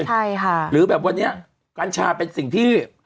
ใช่ค่ะหรือแบบวันนี้กัญชาเป็นสิ่งที่